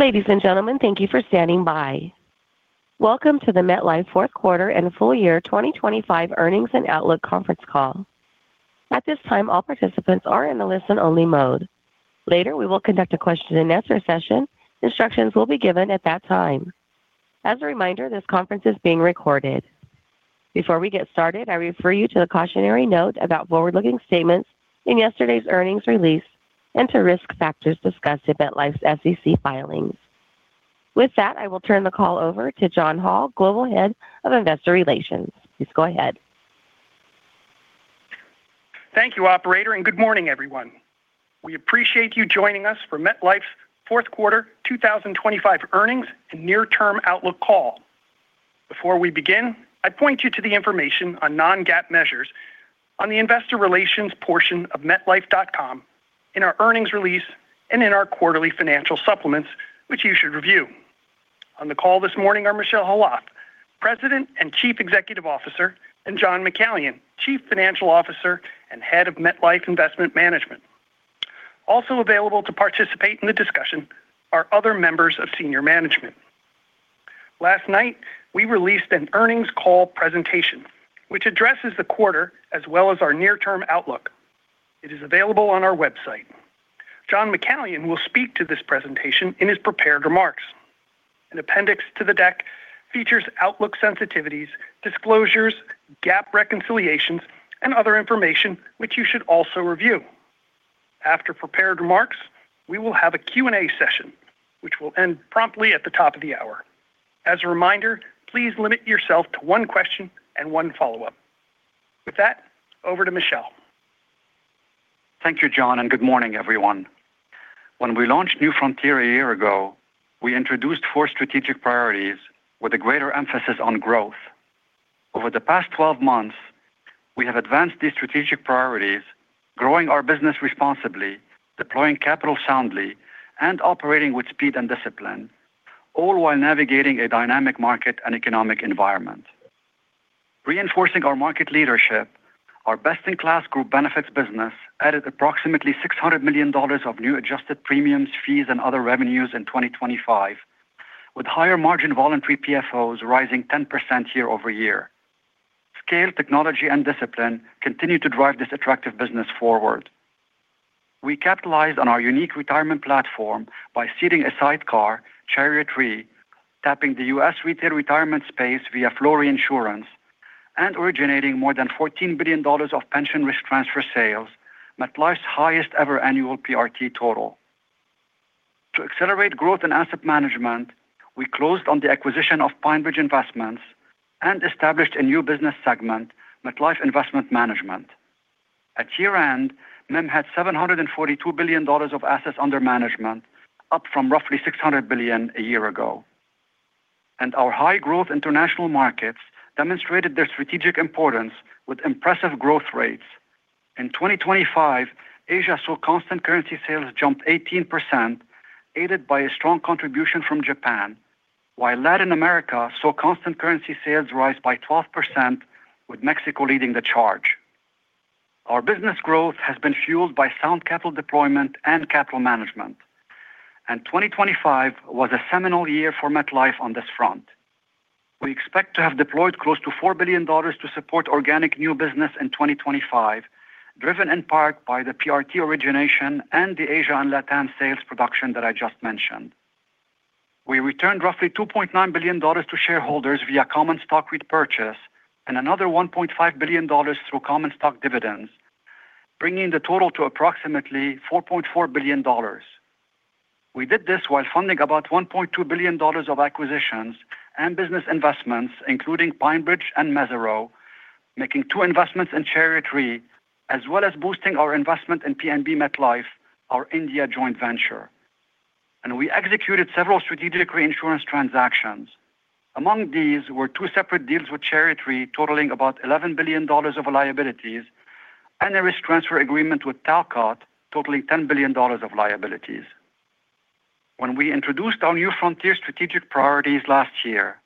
Ladies and gentlemen, thank you for standing by. Welcome to the MetLife Fourth Quarter and Full Year 2025 Earnings and Outlook Conference Call. At this time, all participants are in a listen-only mode. Later, we will conduct a question-and-answer session. Instructions will be given at that time. As a reminder, this conference is being recorded. Before we get started, I refer you to the cautionary note about forward-looking statements in yesterday's earnings release and to risk factors discussed in MetLife's SEC filings. With that, I will turn the call over to John Hall, Global Head of Investor Relations. Please go ahead. Thank you, operator, and good morning, everyone. We appreciate you joining us for MetLife's fourth quarter 2025 earnings and near-term outlook call. Before we begin, I point you to the information on non-GAAP measures on the investor relations portion of MetLife.com in our earnings release and in our quarterly financial supplements, which you should review. On the call this morning are Michel Khalaf, President and Chief Executive Officer, and John McCallion, Chief Financial Officer and Head of MetLife Investment Management. Also available to participate in the discussion are other members of senior management. Last night, we released an earnings call presentation, which addresses the quarter as well as our near-term outlook. It is available on our website. John McCallion will speak to this presentation in his prepared remarks. An appendix to the deck features outlook sensitivities, disclosures, GAAP reconciliations, and other information which you should also review. After prepared remarks, we will have a Q&A session, which will end promptly at the top of the hour. As a reminder, please limit yourself to one question and one follow-up. With that, over to Michel. Thank you, John, and good morning, everyone. When we launched New Frontier a year ago, we introduced four strategic priorities with a greater emphasis on growth. Over the past 12 months, we have advanced these strategic priorities, growing our business responsibly, deploying capital soundly, and operating with speed and discipline, all while navigating a dynamic market and economic environment. Reinforcing our market leadership, our best-in-class group benefits business added approximately $600 million of new adjusted premiums, fees, and other revenues in 2025, with higher margin voluntary PFOs rising 10% year-over-year. Scale, technology, and discipline continue to drive this attractive business forward. We capitalized on our unique retirement platform by seeding a sidecar, Chariot Re, tapping the U.S. retail retirement space via flow reinsurance, and originating more than $14 billion of pension risk transfer sales, MetLife's highest-ever annual PRT total. To accelerate growth in asset management, we closed on the acquisition of PineBridge Investments and established a new business segment, MetLife Investment Management. At year-end, MIM had $742 billion of assets under management, up from roughly $600 billion a year ago. Our high-growth international markets demonstrated their strategic importance with impressive growth rates. In 2025, Asia saw constant currency sales jump 18%, aided by a strong contribution from Japan, while Latin America saw constant currency sales rise by 12%, with Mexico leading the charge. Our business growth has been fueled by sound capital deployment and capital management, and 2025 was a seminal year for MetLife on this front. We expect to have deployed close to $4 billion to support organic new business in 2025, driven in part by the PRT origination and the Asia and LatAm sales production that I just mentioned. We returned roughly $2.9 billion to shareholders via common stock repurchase and another $1.5 billion through common stock dividends, bringing the total to approximately $4.4 billion. We did this while funding about $1.2 billion of acquisitions and business investments, including PineBridge and Mesirow, making two investments in Chariot Re, as well as boosting our investment in PNB MetLife, our India joint venture. We executed several strategic reinsurance transactions. Among these were two separate deals with Chariot Re, totaling about $11 billion of liabilities, and a risk transfer agreement with Talcott, totaling $10 billion of liabilities. When we introduced our New Frontier strategic priorities last year,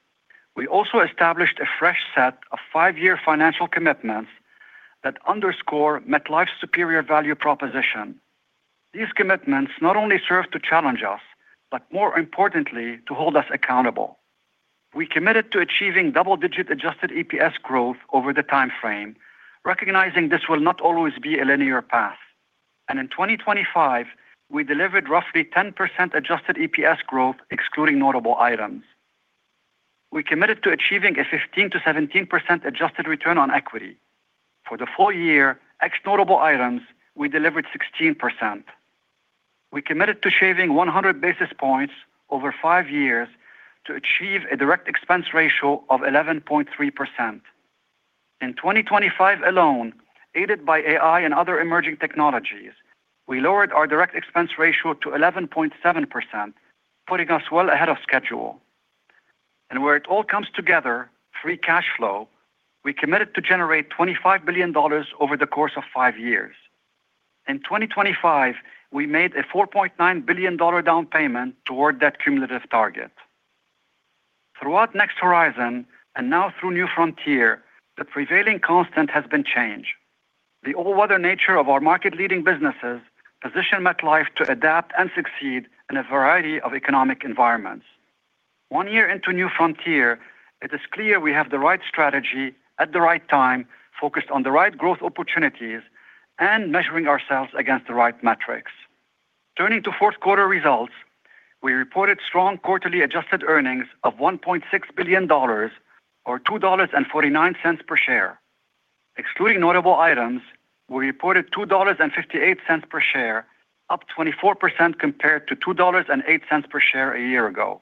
we also established a fresh set of 5-year financial commitments that underscore MetLife's superior value proposition. These commitments not only serve to challenge us, but more importantly, to hold us accountable. We committed to achieving double-digit Adjusted EPS growth over the time frame, recognizing this will not always be a linear path. In 2025, we delivered roughly 10% Adjusted EPS growth, excluding notable items. We committed to achieving a 15%-17% Adjusted return on equity. For the full year, ex notable items, we delivered 16%. We committed to shaving 100 basis points over 5 years to achieve a Direct Expense Ratio of 11.3%. In 2025 alone, aided by AI and other emerging technologies, we lowered our direct expense ratio to 11.7%, putting us well ahead of schedule. Where it all comes together, free cash flow, we committed to generate $25 billion over the course of five years. In 2025, we made a $4.9 billion down payment toward that cumulative target. Throughout Next Horizon, and now through New Frontier, the prevailing constant has been change. The all-weather nature of our market-leading businesses position MetLife to adapt and succeed in a variety of economic environments. One year into New Frontier, it is clear we have the right strategy at the right time, focused on the right growth opportunities and measuring ourselves against the right metrics. Turning to fourth quarter results, we reported strong quarterly adjusted earnings of $1.6 billion or $2.49 per share. Excluding notable items, we reported $2.58 per share, up 24% compared to $2.08 per share a year ago.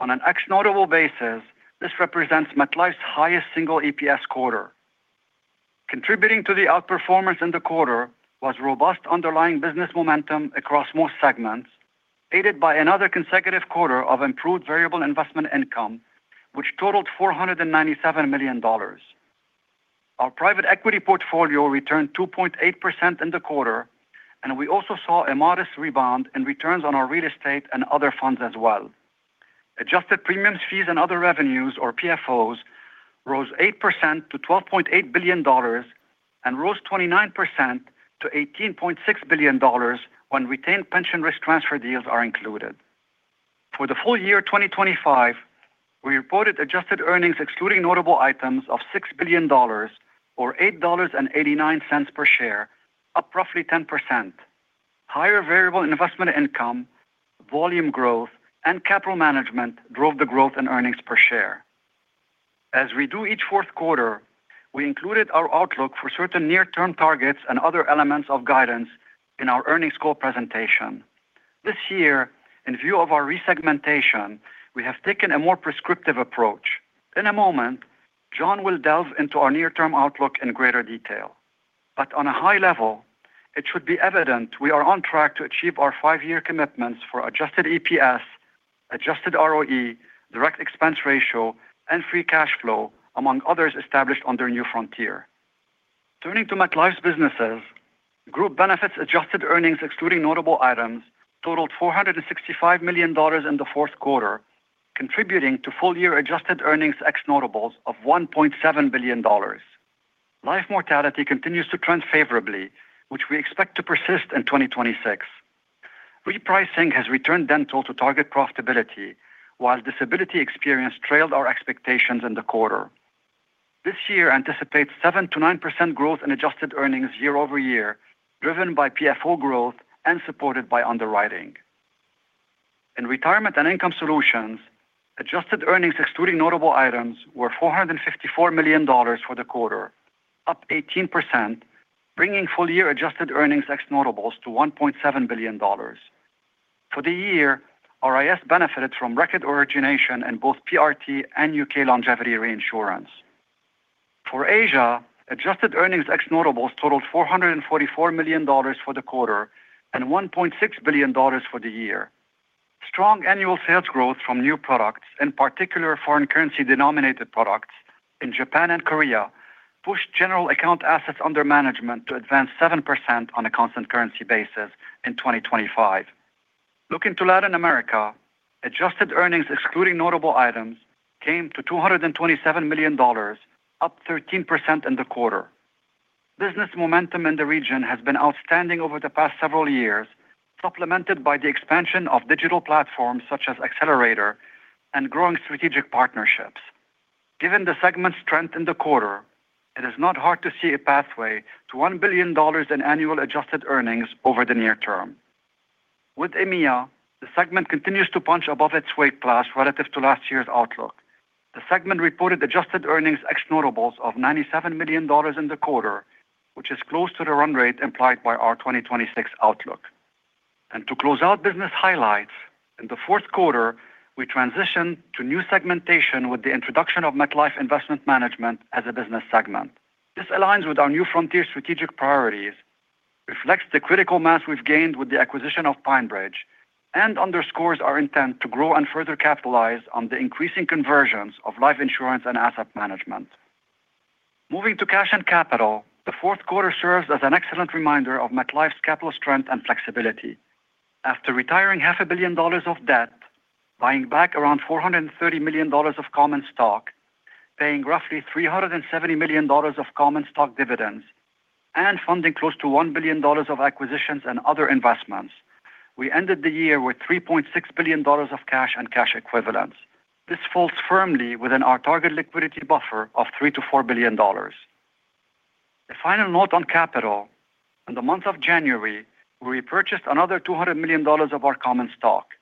On an ex notable basis, this represents MetLife's highest single EPS quarter. Contributing to the outperformance in the quarter was robust underlying business momentum across most segments, aided by another consecutive quarter of improved variable investment income, which totaled $497 million. Our private equity portfolio returned 2.8% in the quarter, and we also saw a modest rebound in returns on our real estate and other funds as well. Adjusted premiums, fees, and other revenues, or PFOs, rose 8% to $12.8 billion and rose 29% to $18.6 billion when retained pension risk transfer deals are included. For the full year 2025, we reported adjusted earnings, excluding notable items, of $6 billion or $8.89 per share, up roughly 10%. Higher variable investment income, volume growth, and capital management drove the growth in earnings per share. As we do each fourth quarter, we included our outlook for certain near-term targets and other elements of guidance in our earnings call presentation. This year, in view of our re-segmentation, we have taken a more prescriptive approach. In a moment, John will delve into our near-term outlook in greater detail, but on a high level, it should be evident we are on track to achieve our 5-year commitments for adjusted EPS, adjusted ROE, direct expense ratio, and free cash flow, among others established under New Frontier. Turning to MetLife's businesses, Group Benefits adjusted earnings, excluding notable items, totaled $465 million in the fourth quarter, contributing to full-year adjusted earnings ex notables of $1.7 billion. Life mortality continues to trend favorably, which we expect to persist in 2026. Repricing has returned dental to target profitability, while disability experience trailed our expectations in the quarter. This year anticipates 7%-9% growth in adjusted earnings year-over-year, driven by PFO growth and supported by underwriting. In Retirement and Income Solutions, adjusted earnings, excluding notable items, were $454 million for the quarter, up 18%, bringing full-year adjusted earnings ex notables to $1.7 billion. For the year, RIS benefited from record origination in both PRT and U.K. longevity reinsurance. For Asia, adjusted earnings ex notables totaled $444 million for the quarter and $1.6 billion for the year. Strong annual sales growth from new products, in particular foreign currency-denominated products in Japan and Korea, pushed general account assets under management to advance 7% on a constant currency basis in 2025. Looking to Latin America, adjusted earnings, excluding notable items, came to $227 million, up 13% in the quarter. Business momentum in the region has been outstanding over the past several years, supplemented by the expansion of digital platforms such as Accelerator and growing strategic partnerships. Given the segment's strength in the quarter, it is not hard to see a pathway to $1 billion in annual adjusted earnings over the near term. With EMEA, the segment continues to punch above its weight class relative to last year's outlook. The segment reported adjusted earnings ex notables of $97 million in the quarter, which is close to the run rate implied by our 2026 outlook. To close out business highlights, in the fourth quarter, we transitioned to new segmentation with the introduction of MetLife Investment Management as a business segment. This aligns with our New Frontier strategic priorities, reflects the critical mass we've gained with the acquisition of PineBridge, and underscores our intent to grow and further capitalize on the increasing conversions of life insurance and asset management. Moving to cash and capital, the fourth quarter serves as an excellent reminder of MetLife's capital strength and flexibility. After retiring $500 million of debt, buying back around $430 million of common stock, paying roughly $370 million of common stock dividends, and funding close to $1 billion of acquisitions and other investments, we ended the year with $3.6 billion of cash and cash equivalents. This falls firmly within our target liquidity buffer of $3 billion-$4 billion. A final note on capital, in the month of January, we repurchased another $200 million of our common stock.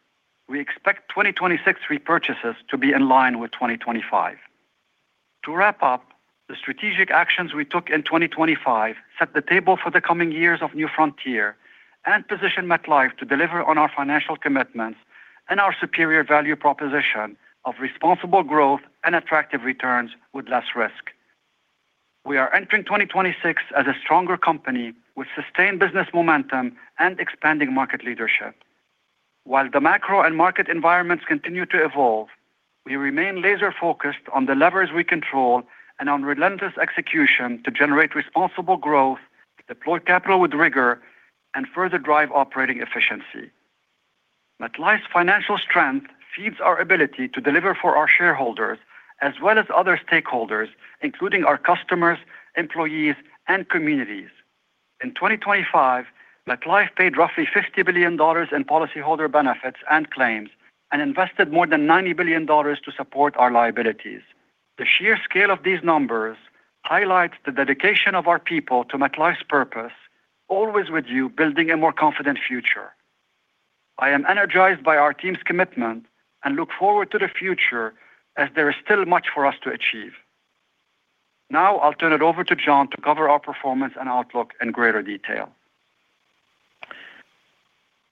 We expect 2026 repurchases to be in line with 2025. To wrap up, the strategic actions we took in 2025 set the table for the coming years of New Frontier and position MetLife to deliver on our financial commitments and our superior value proposition of responsible growth and attractive returns with less risk. We are entering 2026 as a stronger company with sustained business momentum and expanding market leadership. While the macro and market environments continue to evolve, we remain laser-focused on the levers we control and on relentless execution to generate responsible growth, deploy capital with rigor and further drive operating efficiency. MetLife's financial strength feeds our ability to deliver for our shareholders as well as other stakeholders, including our customers, employees, and communities. In 2025, MetLife paid roughly $50 billion in policyholder benefits and claims, and invested more than $90 billion to support our liabilities. The sheer scale of these numbers highlights the dedication of our people to MetLife's purpose, always with you, building a more confident future. I am energized by our team's commitment and look forward to the future as there is still much for us to achieve. Now, I'll turn it over to John to cover our performance and outlook in greater detail.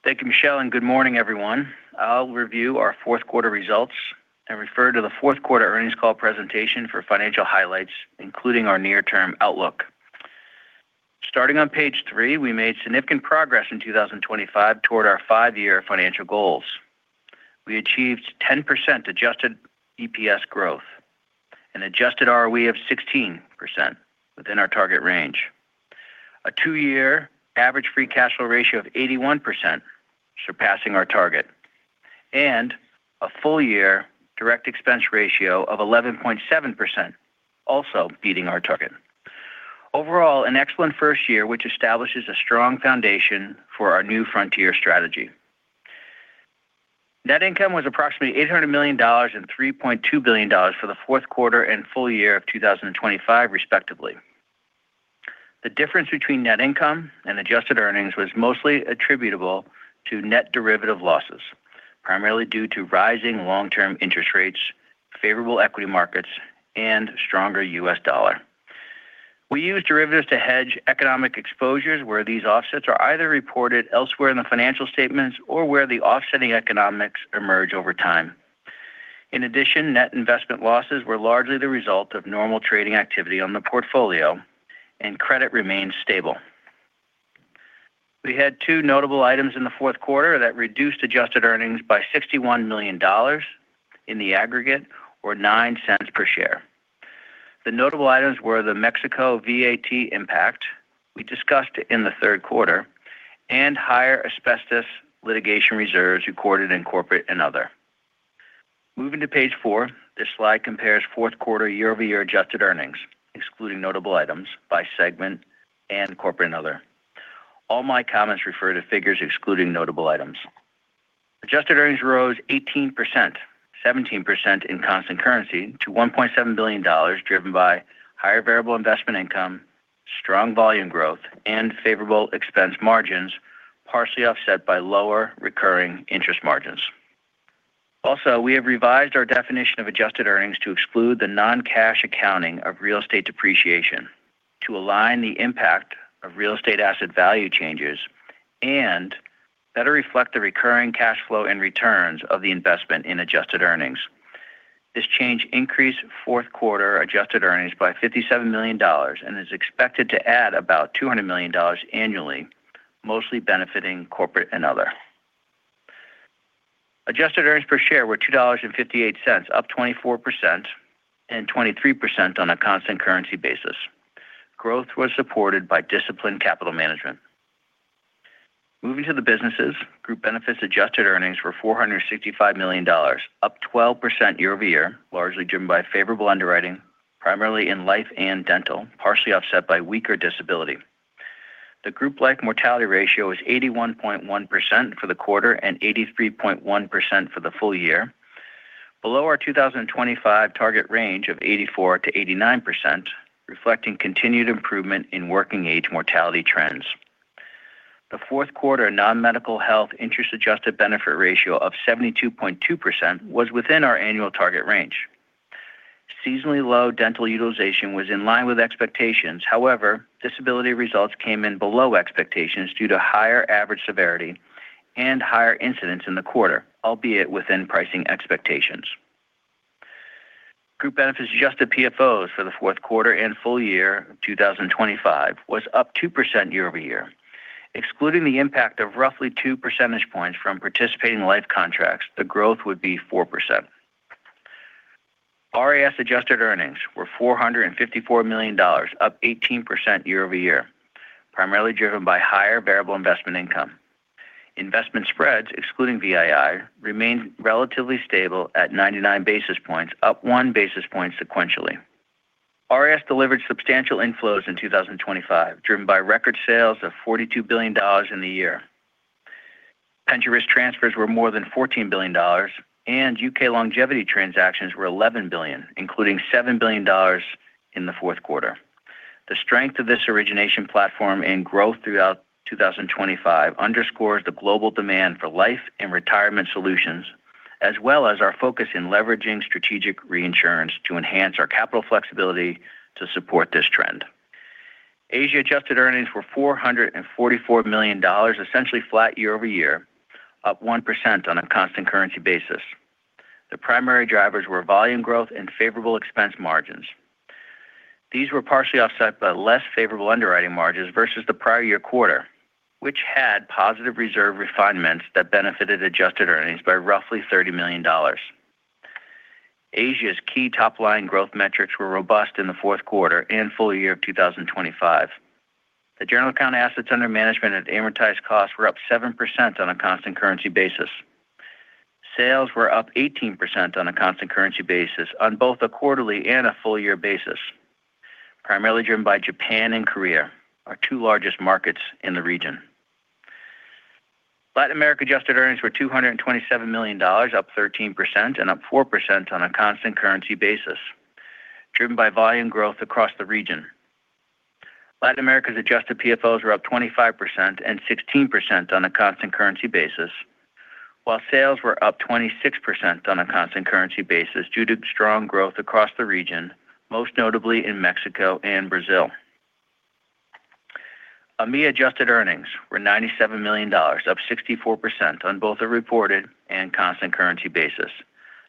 Thank you, Michel, and good morning, everyone. I'll review our fourth quarter results and refer to the fourth quarter earnings call presentation for financial highlights, including our near-term outlook. Starting on page three, we made significant progress in 2025 toward our five-year financial goals. We achieved 10% adjusted EPS growth and adjusted ROE of 16% within our target range, a two-year average free cash flow ratio of 81%, surpassing our target, and a full-year direct expense ratio of 11.7%, also beating our target. Overall, an excellent first year, which establishes a strong foundation for our New Frontier strategy. Net income was approximately $800 million and $3.2 billion for the fourth quarter and full year of 2025, respectively. The difference between net income and adjusted earnings was mostly attributable to net derivative losses, primarily due to rising long-term interest rates, favorable equity markets, and stronger U.S. dollar. We use derivatives to hedge economic exposures, where these offsets are either reported elsewhere in the financial statements or where the offsetting economics emerge over time. In addition, net investment losses were largely the result of normal trading activity on the portfolio, and credit remained stable. We had two notable items in the fourth quarter that reduced adjusted earnings by $61 million in the aggregate, or $0.09 per share. The notable items were the Mexico VAT impact we discussed in the third quarter, and higher asbestos litigation reserves recorded in corporate and other. Moving to page 4, this slide compares fourth quarter year-over-year adjusted earnings, excluding notable items by segment and corporate and other. All my comments refer to figures excluding notable items. Adjusted earnings rose 18%, 17% in constant currency to $1.7 billion, driven by higher variable investment income, strong volume growth, and favorable expense margins, partially offset by lower recurring interest margins. Also, we have revised our definition of adjusted earnings to exclude the non-cash accounting of real estate depreciation to align the impact of real estate asset value changes and better reflect the recurring cash flow and returns of the investment in adjusted earnings. This change increased fourth quarter adjusted earnings by $57 million and is expected to add about $200 million annually, mostly benefiting corporate and other. Adjusted earnings per share were $2.58, up 24% and 23% on a constant currency basis. Growth was supported by disciplined capital management. Moving to the businesses, group benefits adjusted earnings were $465 million, up 12% year-over-year, largely driven by favorable underwriting, primarily in life and dental, partially offset by weaker disability. The group life mortality ratio is 81.1% for the quarter and 83.1% for the full year, below our 2025 target range of 84%-89%, reflecting continued improvement in working age mortality trends. The fourth quarter non-medical health interest-adjusted benefit ratio of 72.2% was within our annual target range. Seasonally low dental utilization was in line with expectations. However, disability results came in below expectations due to higher average severity and higher incidence in the quarter, albeit within pricing expectations. Group benefits adjusted PFOs for the fourth quarter and full year 2025 was up 2% year-over-year. Excluding the impact of roughly 2 percentage points from participating life contracts, the growth would be 4%. RIS adjusted earnings were $454 million, up 18% year-over-year, primarily driven by higher variable investment income. Investment spreads, excluding VII, remained relatively stable at 99 basis points, up 1 basis point sequentially. RIS delivered substantial inflows in 2025, driven by record sales of $42 billion in the year. Pension risk transfers were more than $14 billion, and U.K. longevity transactions were $11 billion, including $7 billion in the fourth quarter. The strength of this origination platform and growth throughout 2025 underscores the global demand for life and retirement solutions, as well as our focus in leveraging strategic reinsurance to enhance our capital flexibility to support this trend. Asia adjusted earnings were $444 million, essentially flat year-over-year, up 1% on a constant currency basis. The primary drivers were volume growth and favorable expense margins. These were partially offset by less favorable underwriting margins versus the prior year quarter, which had positive reserve refinements that benefited adjusted earnings by roughly $30 million. Asia's key top-line growth metrics were robust in the fourth quarter and full year of 2025. The general account assets under management at amortized costs were up 7% on a constant currency basis. Sales were up 18% on a constant currency basis on both a quarterly and a full year basis, primarily driven by Japan and Korea, our two largest markets in the region. Latin America adjusted earnings were $227 million, up 13% and up 4% on a constant currency basis, driven by volume growth across the region. Latin America's adjusted PFOs were up 25% and 16% on a constant currency basis, while sales were up 26% on a constant currency basis due to strong growth across the region, most notably in Mexico and Brazil. EMEA adjusted earnings were $97 million, up 64% on both a reported and constant currency basis.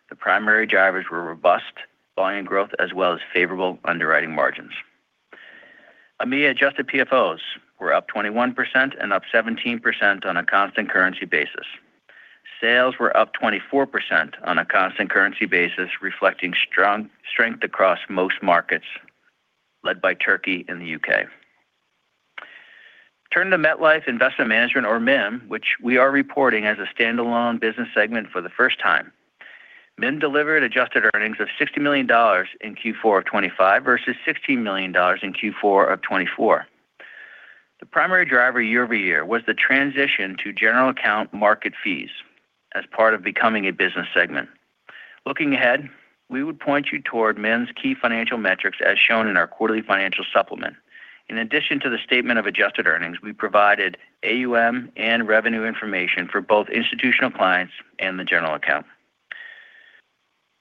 The primary drivers were robust volume growth as well as favorable underwriting margins. EMEA adjusted PFOs were up 21% and up 17% on a constant currency basis. Sales were up 24% on a constant currency basis, reflecting strong strength across most markets, led by Turkey and the U.K.. Turning to MetLife Investment Management or MIM, which we are reporting as a standalone business segment for the first time. MIM delivered adjusted earnings of $60 million in Q4 of 2025 versus $16 million in Q4 of 2024. The primary driver year-over-year was the transition to general account market fees as part of becoming a business segment. Looking ahead, we would point you toward MIM's key financial metrics, as shown in our quarterly financial supplement. In addition to the statement of adjusted earnings, we provided AUM and revenue information for both institutional clients and the general account.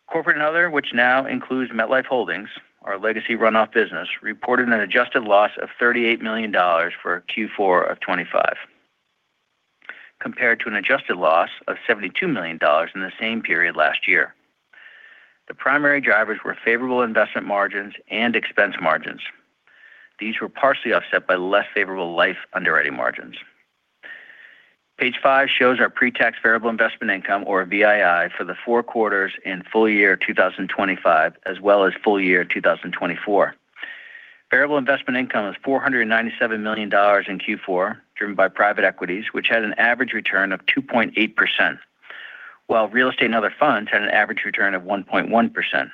Corporate and other, which now includes MetLife Holdings, our legacy run-off business, reported an adjusted loss of $38 million for Q4 of 2025, compared to an adjusted loss of $72 million in the same period last year. The primary drivers were favorable investment margins and expense margins. These were partially offset by less favorable life underwriting margins. Page five shows our pre-tax variable investment income, or VII, for the four quarters in full year 2025, as well as full year 2024. Variable investment income was $497 million in Q4, driven by private equities, which had an average return of 2.8%, while real estate and other funds had an average return of 1.1%.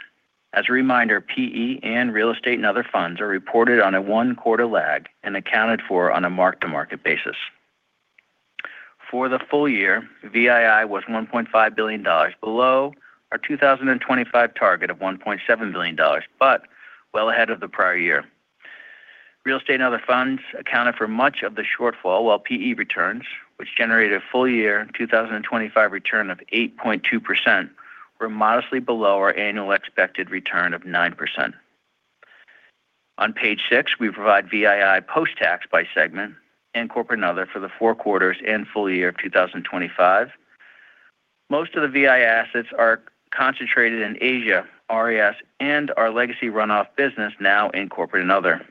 As a reminder, PE and real estate and other funds are reported on a one-quarter lag and accounted for on a mark-to-market basis. For the full year, VII was $1.5 billion, below our 2025 target of $1.7 billion, but well ahead of the prior year. Real estate and other funds accounted for much of the shortfall, while PE returns, which generated a full year in 2025 return of 8.2%, were modestly below our annual expected return of 9%. On page six, we provide VII post-tax by segment and corporate and other for the four quarters and full year of 2025. Most of the VII assets are concentrated in Asia, RIS, and our legacy run-off business, now in corporate and other,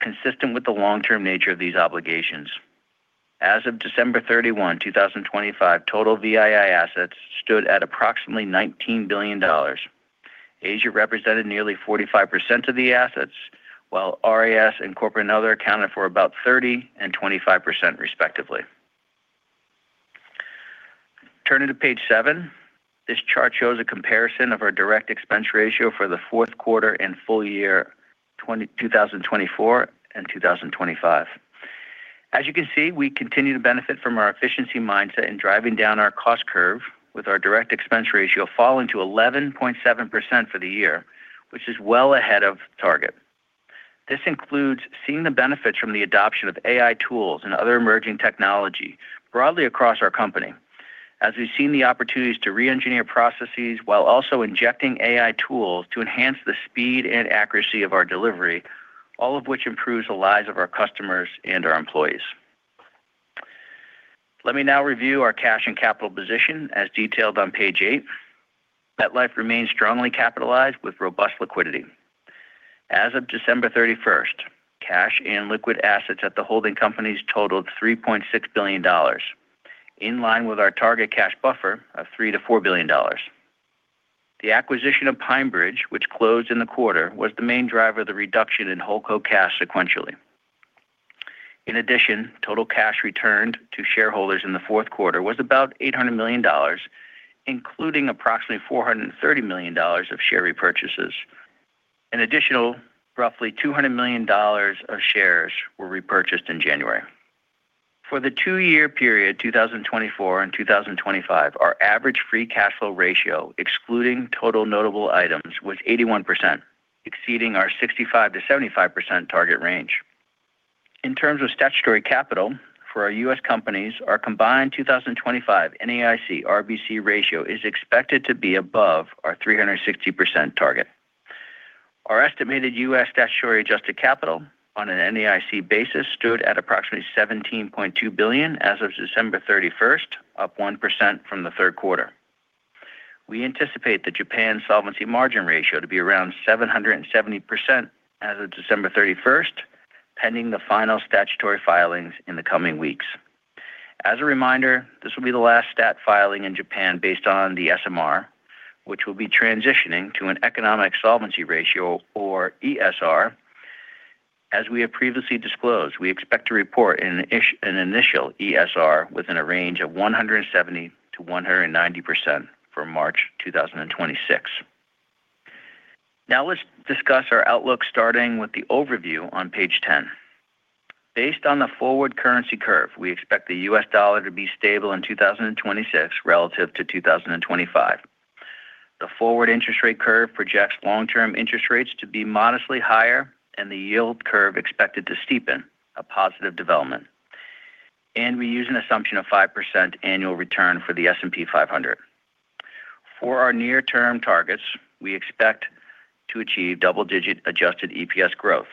consistent with the long-term nature of these obligations. As of December 31, 2025, total VII assets stood at approximately $19 billion. Asia represented nearly 45% of the assets, while RIS and corporate and other accounted for about 30% and 25% respectively. Turning to page seven. This chart shows a comparison of our direct expense ratio for the fourth quarter and full year 2024 and 2025. As you can see, we continue to benefit from our efficiency mindset in driving down our cost curve with our direct expense ratio falling to 11.7% for the year, which is well ahead of target. This includes seeing the benefits from the adoption of AI tools and other emerging technology broadly across our company, as we've seen the opportunities to reengineer processes while also injecting AI tools to enhance the speed and accuracy of our delivery, all of which improves the lives of our customers and our employees. Let me now review our cash and capital position as detailed on page eight. MetLife remains strongly capitalized with robust liquidity. As of December 31st, cash and liquid assets at the holding companies totaled $3.6 billion, in line with our target cash buffer of $3 billion-$4 billion. The acquisition of PineBridge, which closed in the quarter, was the main driver of the reduction in Holdco cash sequentially. In addition, total cash returned to shareholders in the fourth quarter was about $800 million, including approximately $430 million of share repurchases. An additional roughly $200 million of shares were repurchased in January. For the two-year period, 2024 and 2025, our average free cash flow ratio, excluding total notable items, was 81%, exceeding our 65%-75% target range. In terms of statutory capital for our U.S. companies, our combined 2025 NAIC RBC ratio is expected to be above our 360% target. Our estimated U.S. statutory adjusted capital on an NAIC basis stood at approximately $17.2 billion as of December 31, up 1% from the third quarter. We anticipate the Japan solvency margin ratio to be around 770% as of December 31, pending the final statutory filings in the coming weeks. As a reminder, this will be the last stat filing in Japan based on the SMR, which will be transitioning to an economic solvency ratio, or ESR. As we have previously disclosed, we expect to report an initial ESR within a range of 170%-190% for March 2026. Now let's discuss our outlook, starting with the overview on page 10. Based on the forward currency curve, we expect the U.S. dollar to be stable in 2026 relative to 2025. The forward interest rate curve projects long-term interest rates to be modestly higher and the yield curve expected to steepen, a positive development. We use an assumption of 5% annual return for the S&P 500. For our near-term targets, we expect to achieve double-digit adjusted EPS growth.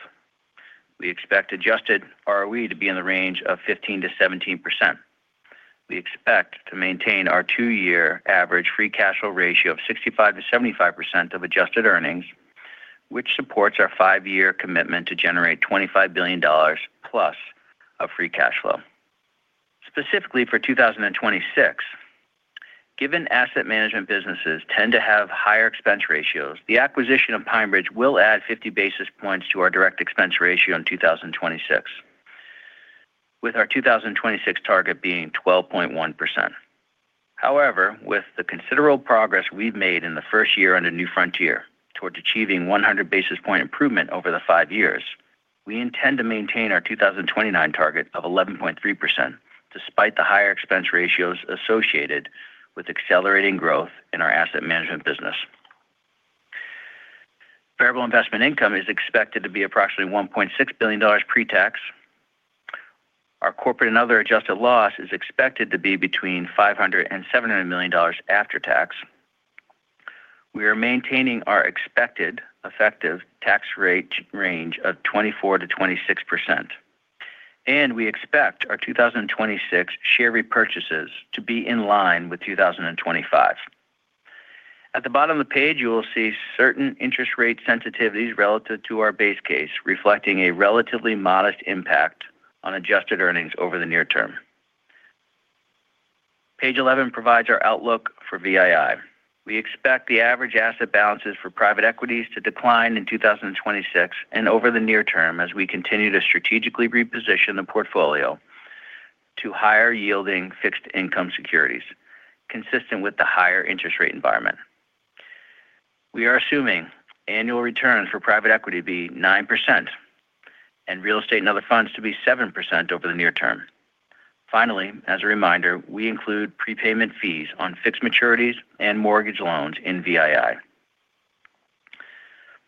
We expect adjusted ROE to be in the range of 15%-17%. We expect to maintain our two-year average free cash flow ratio of 65%-75% of adjusted earnings, which supports our five-year commitment to generate $25 billion+ of free cash flow. Specifically for 2026, given asset management businesses tend to have higher expense ratios, the acquisition of PineBridge will add 50 basis points to our direct expense ratio in 2026, with our 2026 target being 12.1%. However, with the considerable progress we've made in the first year under New Frontier towards achieving 100 basis point improvement over the five years, we intend to maintain our 2029 target of 11.3%, despite the higher expense ratios associated with accelerating growth in our asset management business. Variable investment income is expected to be approximately $1.6 billion pre-tax. Our corporate and other adjusted loss is expected to be between $500 million and $700 million after tax. We are maintaining our expected effective tax rate range of 24%-26%, and we expect our 2026 share repurchases to be in line with 2025. At the bottom of the page, you will see certain interest rate sensitivities relative to our base case, reflecting a relatively modest impact on adjusted earnings over the near term. Page 11 provides our outlook for VII. We expect the average asset balances for private equities to decline in 2026 and over the near term, as we continue to strategically reposition the portfolio to higher-yielding fixed income securities, consistent with the higher interest rate environment. We are assuming annual returns for private equity to be 9% and real estate and other funds to be 7% over the near term. Finally, as a reminder, we include prepayment fees on fixed maturities and mortgage loans in VII.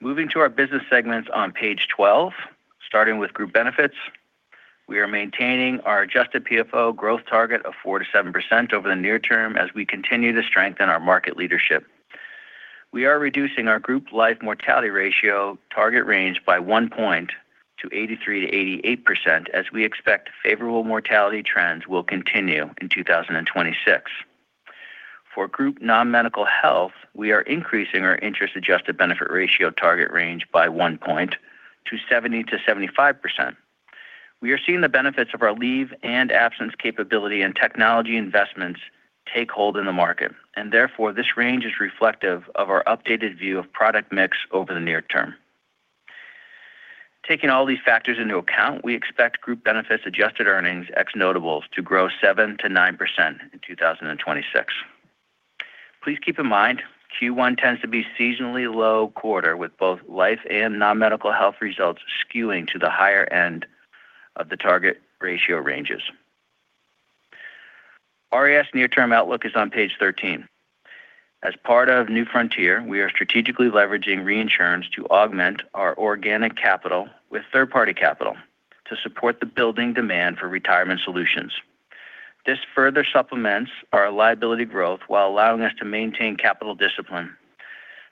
Moving to our business segments on page 12, starting with group benefits, we are maintaining our adjusted PFO growth target of 4%-7% over the near term as we continue to strengthen our market leadership. We are reducing our group life mortality ratio target range by 1 point to 83%-88%, as we expect favorable mortality trends will continue in 2026. For group non-medical health, we are increasing our interest-adjusted benefit ratio target range by 1 point to 70%-75%. We are seeing the benefits of our leave and absence capability and technology investments take hold in the market, and therefore, this range is reflective of our updated view of product mix over the near term. Taking all these factors into account, we expect Group Benefits Adjusted Earnings ex notables to grow 7%-9% in 2026. Please keep in mind, Q1 tends to be a seasonally low quarter, with both life and non-medical health results skewing to the higher end of the target ratio ranges. RIS near-term outlook is on page 13. As part of New Frontier, we are strategically leveraging reinsurance to augment our organic capital with third-party capital to support the building demand for retirement solutions. This further supplements our liability growth while allowing us to maintain capital discipline.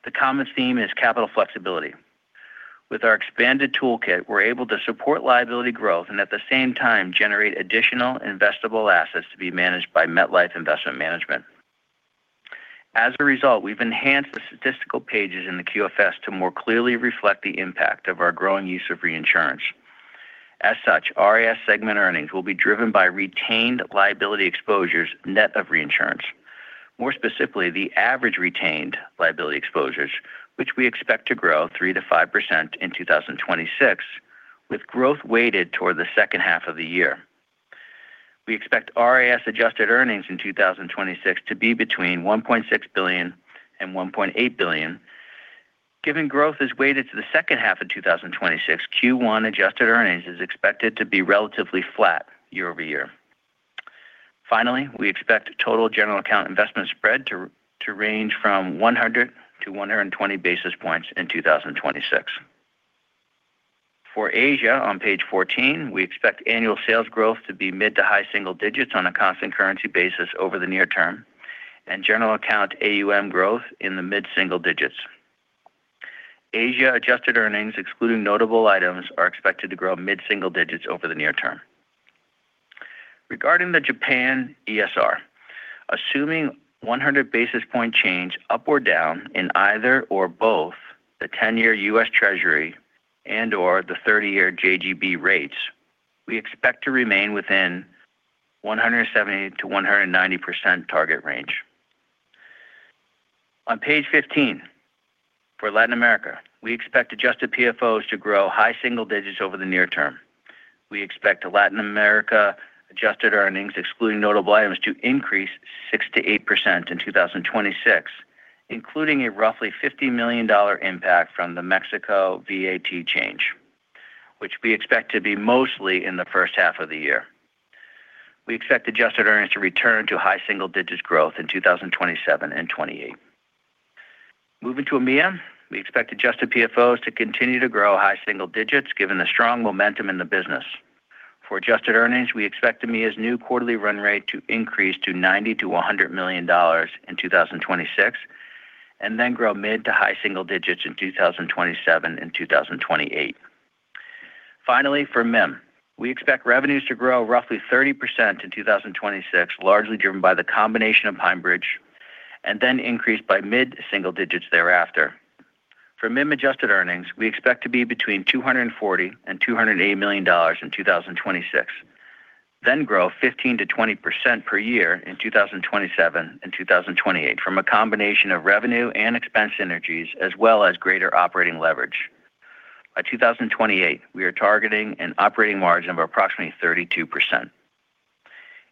The common theme is capital flexibility. With our expanded toolkit, we're able to support liability growth and at the same time generate additional investable assets to be managed by MetLife Investment Management. As a result, we've enhanced the statistical pages in the QFS to more clearly reflect the impact of our growing use of reinsurance. As such, RIS segment earnings will be driven by retained liability exposures net of reinsurance. More specifically, the average retained liability exposures, which we expect to grow 3%-5% in 2026, with growth weighted toward the second half of the year. We expect RIS adjusted earnings in 2026 to be between $1.6 billion and $1.8 billion. Given growth is weighted to the second half of 2026, Q1 adjusted earnings is expected to be relatively flat year over year. Finally, we expect total general account investment spread to range from 100 basis points-120 basis points in 2026. For Asia, on page 14, we expect annual sales growth to be mid to high-single digits on a constant currency basis over the near term, and general account AUM growth in the mid-single digits. Asia adjusted earnings, excluding notable items, are expected to grow mid-single digits over the near term. Regarding the Japan ESR, assuming 100 basis point change up or down in either or both the 10-year U.S. Treasury and or the 30-year JGB rates, we expect to remain within 170%-190% target range. On page 15, for Latin America, we expect adjusted PFOs to grow high-single digits over the near term. We expect Latin America adjusted earnings, excluding notable items, to increase 6%-8% in 2026, including a roughly $50 million impact from the Mexico VAT change, which we expect to be mostly in the first half of the year. We expect adjusted earnings to return to high single digits growth in 2027 and 2028. Moving to EMEA, we expect adjusted PFOs to continue to grow high single digits, given the strong momentum in the business. For adjusted earnings, we expect EMEA's new quarterly run rate to increase to $90 million-$100 million in 2026, and then grow mid to high single digits in 2027 and 2028. Finally, for MIM, we expect revenues to grow roughly 30% in 2026, largely driven by the combination of PineBridge and then increase by mid-single digits thereafter. For MIM adjusted earnings, we expect to be between $240 million and $280 million in 2026, then grow 15%-20% per year in 2027 and 2028, from a combination of revenue and expense synergies, as well as greater operating leverage. By 2028, we are targeting an operating margin of approximately 32%.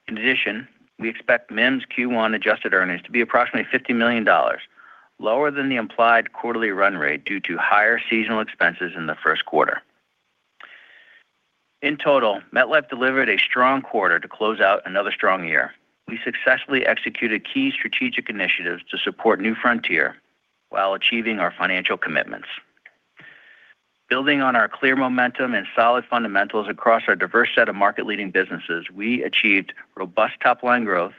In addition, we expect MIM's Q1 adjusted earnings to be approximately $50 million, lower than the implied quarterly run rate due to higher seasonal expenses in the first quarter. In total, MetLife delivered a strong quarter to close out another strong year. We successfully executed key strategic initiatives to support New Frontier while achieving our financial commitments. Building on our clear momentum and solid fundamentals across our diverse set of market-leading businesses, we achieved robust top-line growth,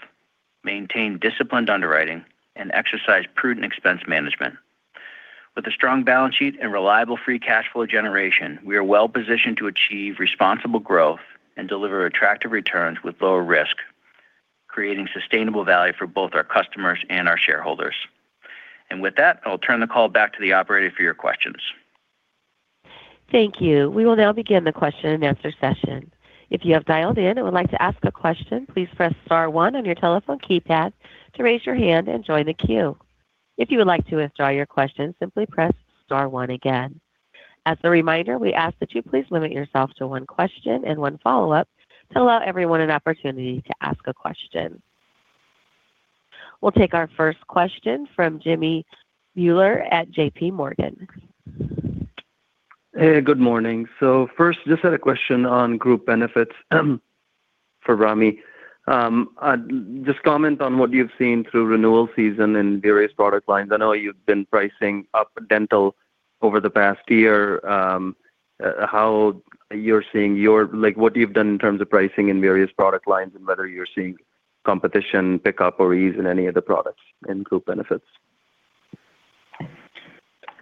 maintained disciplined underwriting, and exercised prudent expense management. With a strong balance sheet and reliable Free Cash Flow generation, we are well positioned to achieve responsible growth and deliver attractive returns with lower risk, creating sustainable value for both our customers and our shareholders. With that, I'll turn the call back to the operator for your questions. Thank you. We will now begin the question and answer session. If you have dialed in and would like to ask a question, please press star one on your telephone keypad to raise your hand and join the queue. If you would like to withdraw your question, simply press star one again. As a reminder, we ask that you please limit yourself to one question and one follow-up to allow everyone an opportunity to ask a question. We'll take our first question from Jimmy Bhullar at J.P. Morgan. Hey, good morning. So first, just had a question on Group Benefits, for Ramy. Just comment on what you've seen through renewal season in various product lines. I know you've been pricing up dental over the past year, how you're seeing your—Like, what you've done in terms of pricing in various product lines and whether you're seeing competition pick up or ease in any of the products in Group Benefits?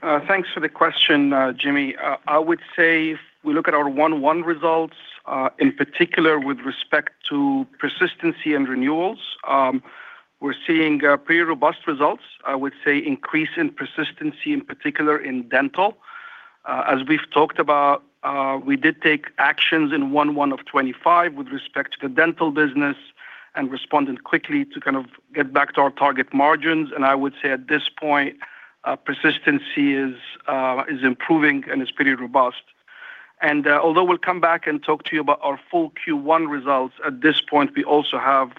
Thanks for the question, Jimmy. I would say if we look at our Q1 results, in particular with respect to persistency and renewals, we're seeing pretty robust results. I would say increase in persistency, in particular in dental. As we've talked about, we did take actions in Q1 of 2025 with respect to the dental business and responded quickly to kind of get back to our target margins, and I would say at this point, persistency is improving and is pretty robust. Although we'll come back and talk to you about our full Q1 results, at this point, we also have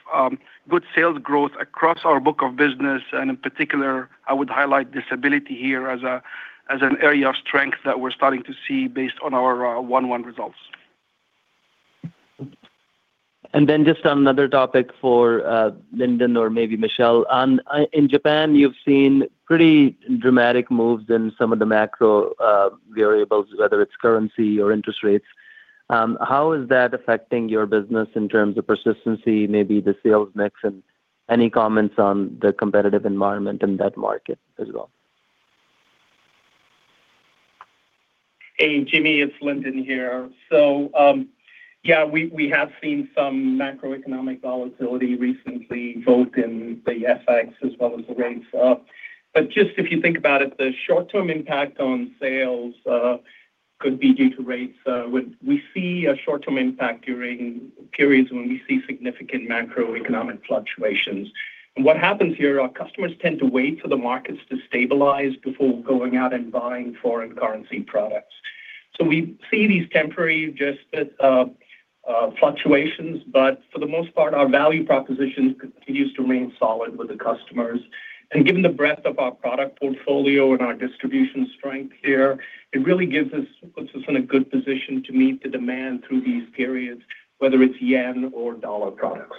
good sales growth across our book of business, and in particular, I would highlight disability here as an area of strength that we're starting to see based on our 1/1 results. Then just on another topic for Lyndon or maybe Michel. On in Japan, you've seen pretty dramatic moves in some of the macro variables, whether it's currency or interest rates. How is that affecting your business in terms of persistency, maybe the sales mix, and any comments on the competitive environment in that market as well? Hey, Jimmy, it's Lyndon here. So, yeah, we have seen some macroeconomic volatility recently, both in the FX as well as the rates. But just if you think about it, the short-term impact on sales could be due to rates. We see a short-term impact during periods when we see significant macroeconomic fluctuations. And what happens here, our customers tend to wait for the markets to stabilize before going out and buying foreign currency products. So we see these temporary, just, fluctuations, but for the most part, our value proposition continues to remain solid with the customers. And given the breadth of our product portfolio and our distribution strength here, it really gives us puts us in a good position to meet the demand through these periods, whether it's yen or dollar products.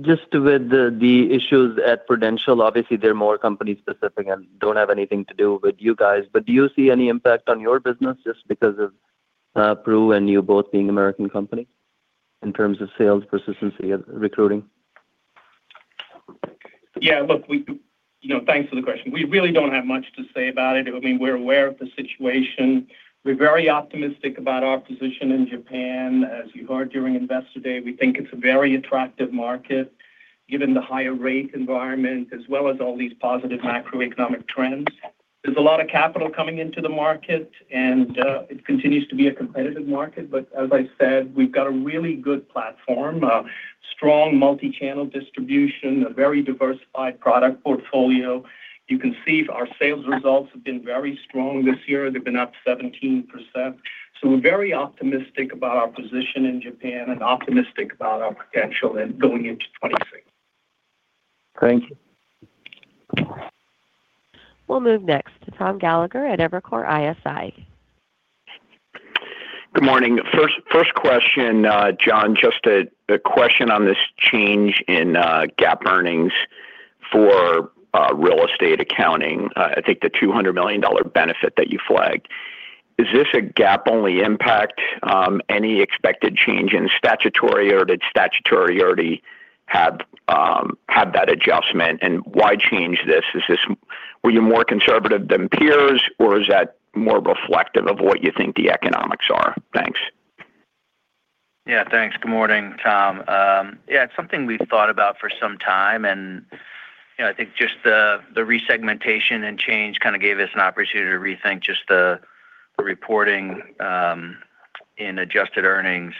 Just with the issues at Prudential, obviously, they're more company-specific and don't have anything to do with you guys, but do you see any impact on your business just because of Pru and you both being American company in terms of sales, persistency, and recruiting? Yeah, look, we, you know, thanks for the question. We really don't have much to say about it. I mean, we're aware of the situation. We're very optimistic about our position in Japan. As you heard during Investor Day, we think it's a very attractive market, given the higher rate environment, as well as all these positive macroeconomic trends. There's a lot of capital coming into the market, and it continues to be a competitive market. But as I said, we've got a really good platform, a strong multi-channel distribution, a very diversified product portfolio. You can see our sales results have been very strong this year. They've been up 17%. So we're very optimistic about our position in Japan and optimistic about our potential in going into 2026. Thank you. We'll move next to Tom Gallagher at Evercore ISI. Good morning. First question, John, just a question on this change in GAAP earnings for real estate accounting. I think the $200 million benefit that you flagged. Is this a GAAP-only impact? Any expected change in statutory, or did statutory already have that adjustment? And why change this? Is this were you more conservative than peers, or is that more reflective of what you think the economics are? Thanks. Yeah, thanks. Good morning, Tom. Yeah, it's something we've thought about for some time, and, you know, I think just the, the re-segmentation and change kind of gave us an opportunity to rethink just the reporting in adjusted earnings.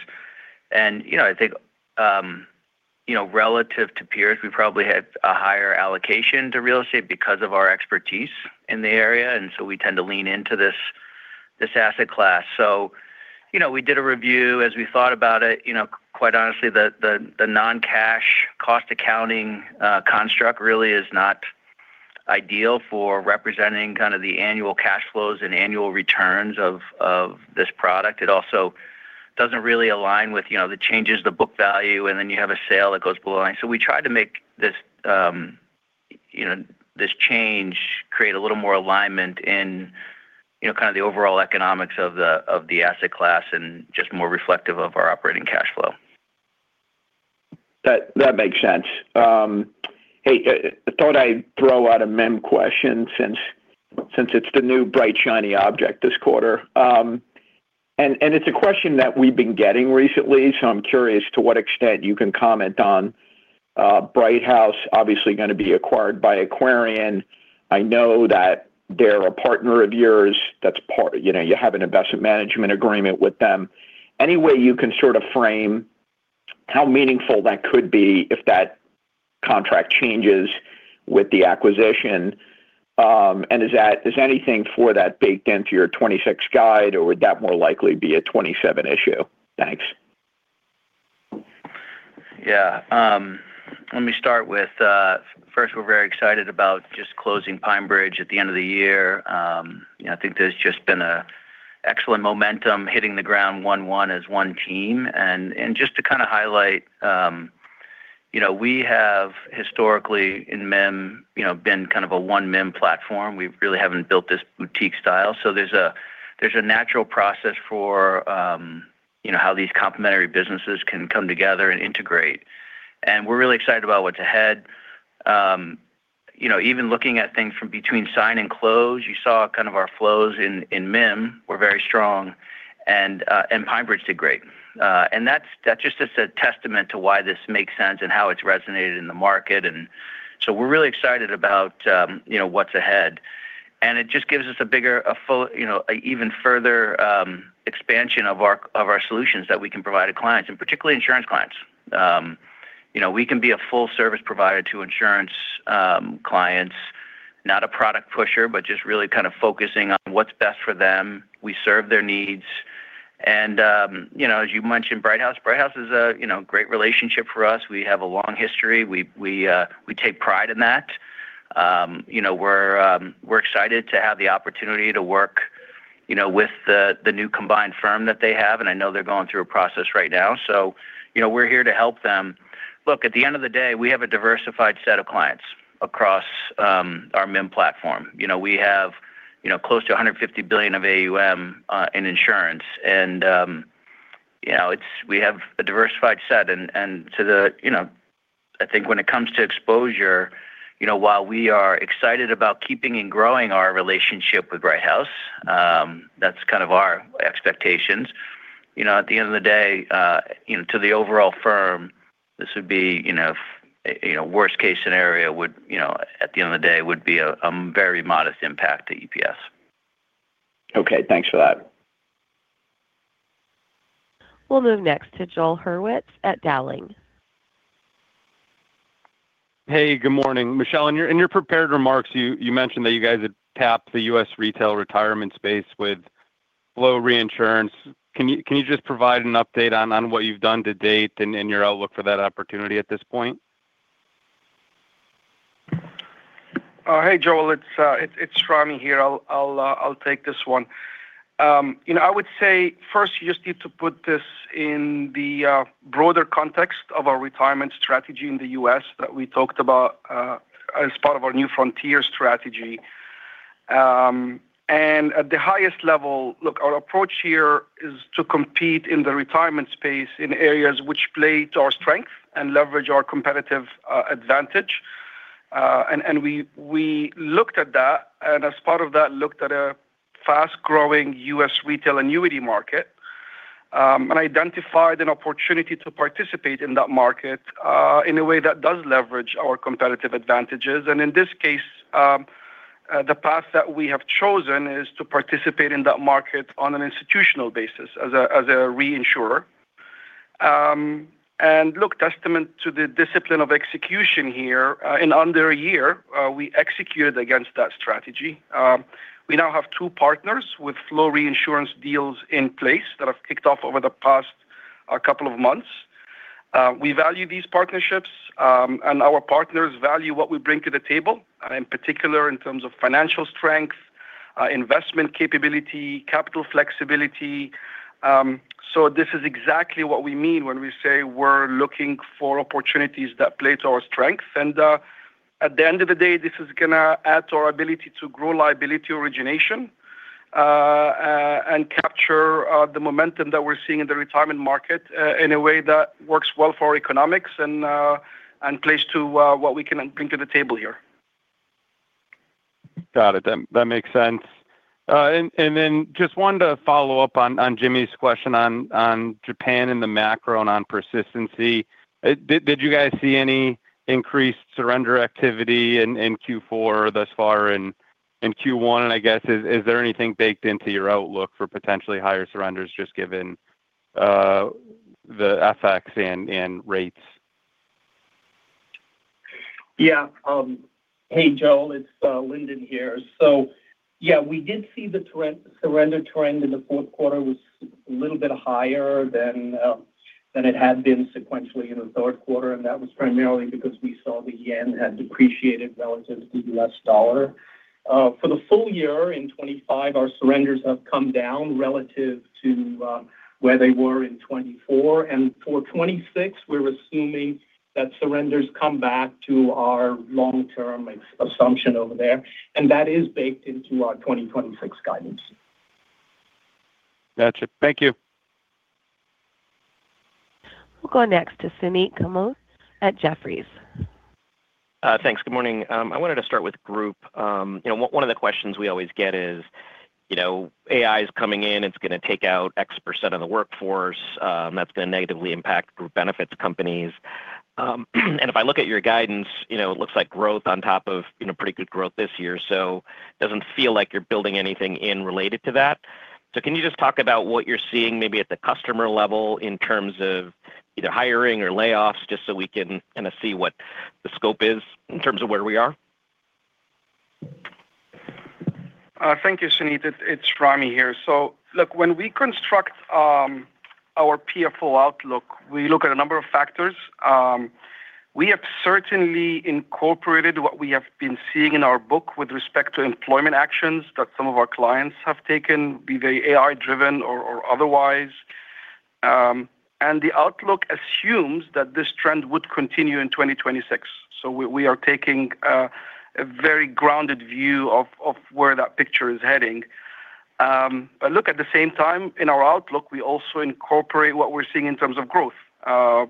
And, you know, I think, you know, relative to peers, we probably had a higher allocation to real estate because of our expertise in the area, and so we tend to lean into this, this asset class. So, you know, we did a review as we thought about it. You know, quite honestly, the, the, the non-cash cost accounting construct really is not ideal for representing kind of the annual cash flows and annual returns of, of this product. It also doesn't really align with, you know, the changes, the book value, and then you have a sale that goes below. We tried to make this, you know, this change create a little more alignment in, you know, kind of the overall economics of the asset class and just more reflective of our operating cash flow. That, that makes sense. Hey, I thought I'd throw out a MIM question since, since it's the new bright, shiny object this quarter. And, and it's a question that we've been getting recently, so I'm curious to what extent you can comment on. Brighthouse obviously going to be acquired by Aquarian. I know that they're a partner of yours, that's part, you know, you have an investment management agreement with them. Any way you can sort of frame how meaningful that could be if that contract changes with the acquisition? And is that, is anything for that baked into your 2026 guide, or would that more likely be a 2027 issue? Thanks. Yeah, let me start with, first, we're very excited about just closing PineBridge at the end of the year. You know, I think there's just been an excellent momentum hitting the ground 1/1 as one team. And just to kind of highlight, you know, we have historically in MIM, you know, been kind of a one MIM platform. We really haven't built this boutique style. So there's a natural process for, you know, how these complementary businesses can come together and integrate, and we're really excited about what's ahead. You know, even looking at things from between sign and close, you saw kind of our flows in MIM were very strong, and PineBridge did great. And that's just as a testament to why this makes sense and how it's resonated in the market. And so we're really excited about, you know, what's ahead, and it just gives us a bigger, a full, you know, even further, expansion of our solutions that we can provide to clients, and particularly insurance clients. You know, we can be a full service provider to insurance clients, not a product pusher, but just really kind of focusing on what's best for them. We serve their needs. And, you know, as you mentioned, Brighthouse. Brighthouse is a, you know, great relationship for us. We have a long history. We take pride in that. You know, we're excited to have the opportunity to work, you know, with the new combined firm that they have, and I know they're going through a process right now, so, you know, we're here to help them. Look, at the end of the day, we have a diversified set of clients across our MIM platform. You know, we have, you know, close to $150 billion of AUM in insurance, and, you know, it's we have a diversified set. And, and to the, you know, I think when it comes to exposure, you know, while we are excited about keeping and growing our relationship with Brighthouse, that's kind of our expectations. You know, at the end of the day, you know, to the overall firm, this would be, you know, a worst-case scenario, would, you know, at the end of the day, would be a very modest impact to EPS. Okay, thanks for that. We'll move next to Joel Hurwitz at Dowling. Hey, good morning. Michel, in your, in your prepared remarks, you, you mentioned that you guys had tapped the U.S. retail retirement space with low reinsurance. Can you, can you just provide an update on, on what you've done to date and, and your outlook for that opportunity at this point? Hey, Joel, it's Ramy here. I'll take this one. You know, I would say first, you just need to put this in the broader context of our retirement strategy in the U.S. that we talked about as part of our New Frontier strategy and at the highest level, look, our approach here is to compete in the retirement space in areas which play to our strength and leverage our competitive advantage. And we looked at that, and as part of that, looked at a fast-growing U.S. retail annuity market, and identified an opportunity to participate in that market, in a way that does leverage our competitive advantages. And in this case, the path that we have chosen is to participate in that market on an institutional basis as a reinsurer. And look, testament to the discipline of execution here, in under a year, we executed against that strategy. We now have two partners with flow reinsurance deals in place that have kicked off over the past couple of months. We value these partnerships, and our partners value what we bring to the table, and in particular, in terms of financial strength, investment capability, capital flexibility. So this is exactly what we mean when we say we're looking for opportunities that play to our strength. And, at the end of the day, this is going to add to our ability to grow liability origination, and capture, the momentum that we're seeing in the retirement market, in a way that works well for our economics and, and plays to, what we can bring to the table here. Got it. That makes sense. And then just wanted to follow up on Jimmy's question on Japan and the macro and on persistency. Did you guys see any increased surrender activity in Q4 thus far in Q1? And I guess, is there anything baked into your outlook for potentially higher surrenders, just given the FX and rates? Yeah. Hey, Joel, it's Lyndon here. So yeah, we did see the trend—surrender trend in the fourth quarter was a little bit higher than than it had been sequentially in the third quarter, and that was primarily because we saw the yen had depreciated relative to the U.S. dollar. For the full year in 2025, our surrenders have come down relative to where they were in 2024. And for 2026, we're assuming that surrenders come back to our long-term assumption over there, and that is baked into our 2026 guidance. Gotcha. Thank you. We'll go next to Suneet Kamath at Jefferies. Thanks. Good morning. I wanted to start with group. You know, one of the questions we always get is, you know, AI is coming in, it's going to take out X% of the workforce, that's going to negatively impact group benefits companies. And if I look at your guidance, you know, it looks like growth on top of, you know, pretty good growth this year, so it doesn't feel like you're building anything in relation to that. So can you just talk about what you're seeing maybe at the customer level in terms of either hiring or layoffs, just so we can kind of see what the scope is in terms of where we are? Thank you, Suneet. It's Ramy here. So look, when we construct our PFO outlook, we look at a number of factors. We have certainly incorporated what we have been seeing in our book with respect to employment actions that some of our clients have taken, be they AI driven or otherwise. And the outlook assumes that this trend would continue in 2026. So we are taking a very grounded view of where that picture is heading. But look, at the same time, in our outlook, we also incorporate what we're seeing in terms of growth,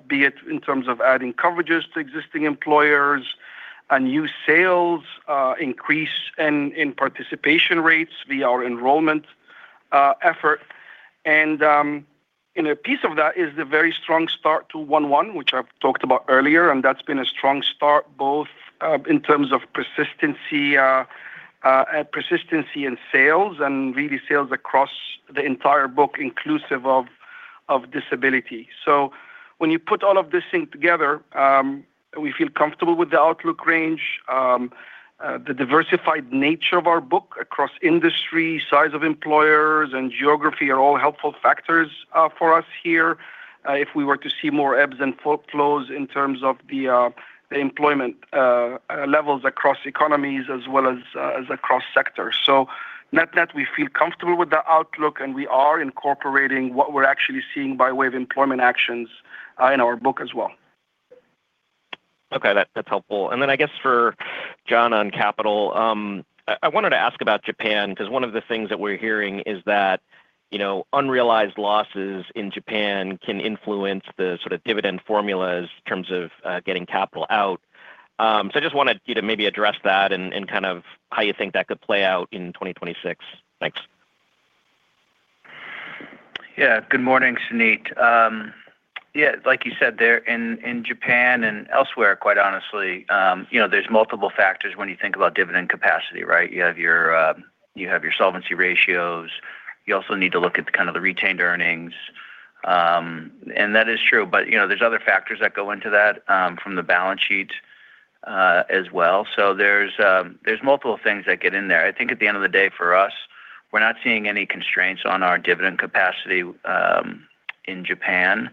be it in terms of adding coverages to existing employers and new sales, increase in participation rates via our enrollment effort. A piece of that is the very strong start to 1/1, which I've talked about earlier, and that's been a strong start both in terms of persistency in sales and really sales across the entire book, inclusive of disability. So when you put all of these things together, we feel comfortable with the outlook range. The diversified nature of our book across industry, size of employers, and geography are all helpful factors for us here if we were to see more ebbs and flows in terms of the employment levels across economies as well as across sectors. So net net, we feel comfortable with the outlook, and we are incorporating what we're actually seeing by way of employment actions in our book as well. Okay, that, that's helpful. And then I guess for John on capital, I wanted to ask about Japan, because one of the things that we're hearing is that, you know, unrealized losses in Japan can influence the sort of dividend formulas in terms of getting capital out. So I just wanted you to maybe address that and kind of how you think that could play out in 2026. Thanks. Yeah. Good morning, Suneet. Yeah, like you said, there in Japan and elsewhere, quite honestly, you know, there's multiple factors when you think about dividend capacity, right? You have your solvency ratios. You also need to look at kind of the retained earnings. And that is true, but, you know, there's other factors that go into that from the balance sheet as well. So there's multiple things that get in there. I think at the end of the day, for us, we're not seeing any constraints on our dividend capacity in Japan.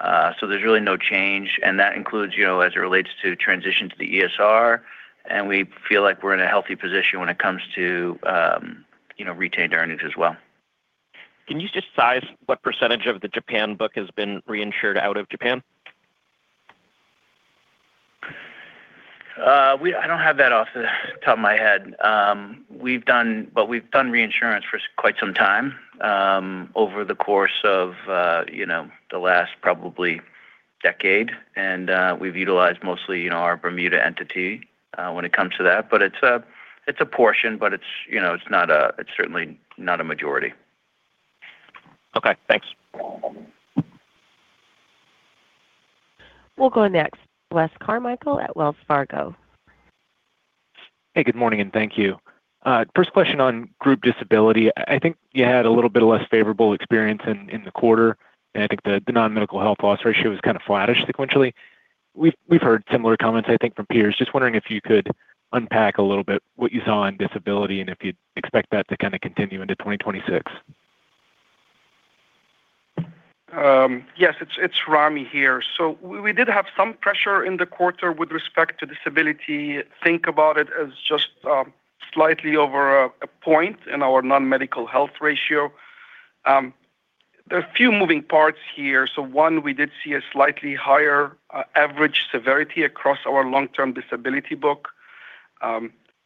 So there's really no change, and that includes, you know, as it relates to transition to the ESR, and we feel like we're in a healthy position when it comes to you know, retained earnings as well. Can you just size what percentage of the Japan book has been reinsured out of Japan? I don't have that off the top of my head. We've done reinsurance for quite some time, over the course of, you know, the last probably decade. And we've utilized mostly, you know, our Bermuda entity when it comes to that. But it's a portion, but it's, you know, it's not a, it's certainly not a majority. Okay, thanks. We'll go next to Wes Carmichael at Wells Fargo. Hey, good morning, and thank you. First question on group disability. I think you had a little bit of less favorable experience in the quarter, and I think the non-medical health loss ratio was kind of flattish sequentially. We've heard similar comments, I think, from peers. Just wondering if you could unpack a little bit what you saw on disability and if you'd expect that to kind of continue into 2026. Yes, it's Ramy here. So we did have some pressure in the quarter with respect to disability. Think about it as just slightly over a point in our non-medical health ratio. There are a few moving parts here. So one, we did see a slightly higher average severity across our long-term disability book.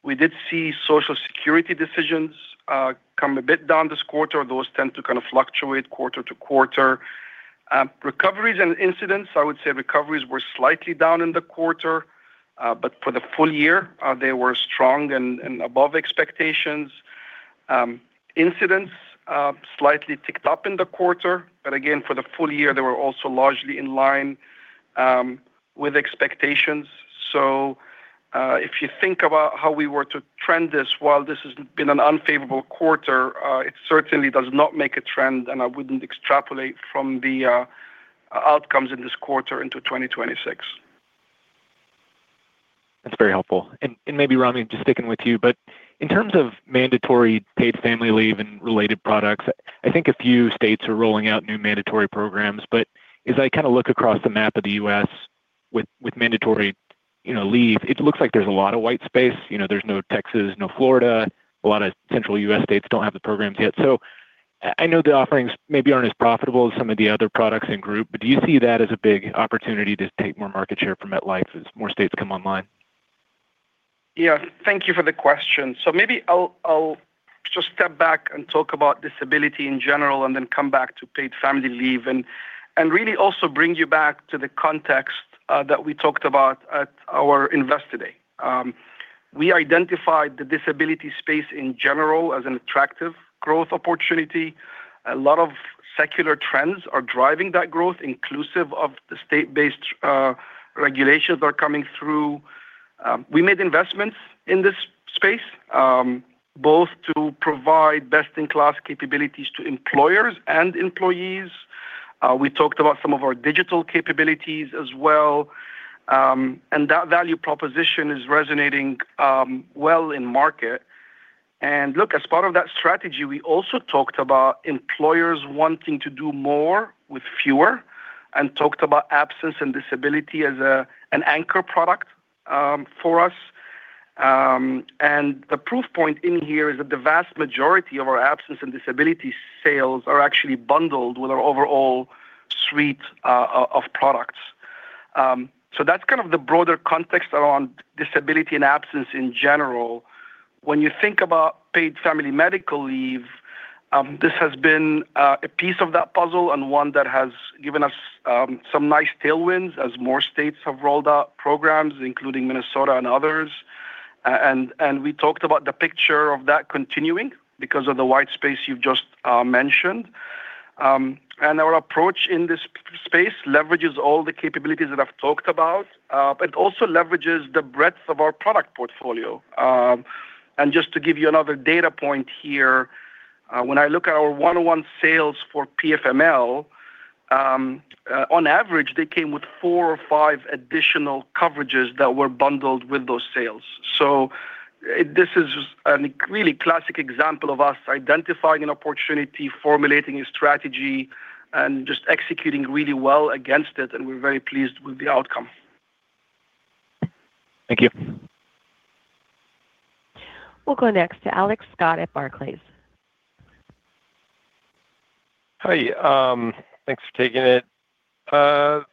We did see Social Security decisions come a bit down this quarter. Those tend to kind of fluctuate quarter to quarter. Recoveries and incidence, I would say recoveries were slightly down in the quarter, but for the full year, they were strong and above expectations. Incidents slightly ticked up in the quarter, but again, for the full year, they were also largely in line with expectations. So, if you think about how we were to trend this, while this has been an unfavorable quarter, it certainly does not make a trend, and I wouldn't extrapolate from the outcomes in this quarter into 2026. That's very helpful. And, and maybe, Ramy, just sticking with you, but in terms of mandatory paid family leave and related products, I think a few states are rolling out new mandatory programs, but as I kind of look across the map of the U.S. with, with mandatory, you know, leave, it looks like there's a lot of white space. You know, there's no Texas, no Florida, a lot of central U.S. states don't have the programs yet. So I, I know the offerings maybe aren't as profitable as some of the other products in group, but do you see that as a big opportunity to take more market share from MetLife as more states come online? Yeah, thank you for the question. So maybe I'll, I'll just step back and talk about disability in general and then come back to paid family leave, and, and really also bring you back to the context, that we talked about at our Investor Day. We identified the disability space in general as an attractive growth opportunity. A lot of secular trends are driving that growth, inclusive of the state-based regulations are coming through. We made investments in this space, both to provide best-in-class capabilities to employers and employees. We talked about some of our digital capabilities as well, and that value proposition is resonating well in market. And look, as part of that strategy, we also talked about employers wanting to do more with fewer and talked about absence and disability as a, an anchor product, for us. And the proof point in here is that the vast majority of our absence and disability sales are actually bundled with our overall suite of products. So that's kind of the broader context around disability and absence in general. When you think about paid family medical leave, this has been a piece of that puzzle and one that has given us some nice tailwinds as more states have rolled out programs, including Minnesota and others. And we talked about the picture of that continuing because of the white space you've just mentioned. And our approach in this space leverages all the capabilities that I've talked about, but also leverages the breadth of our product portfolio. And just to give you another data point here, when I look at our one-on-one sales for PFML, on average, they came with four or five additional coverages that were bundled with those sales. So this is a really classic example of us identifying an opportunity, formulating a strategy, and just executing really well against it, and we're very pleased with the outcome. Thank you. We'll go next to Alex Scott at Barclays. Hi, thanks for taking it.